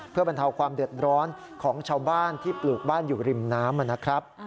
เพื่อบรรเทาความเดือดร้อนของชาวบ้านที่ปลูกบ้านอยู่ริมน้ำนะครับ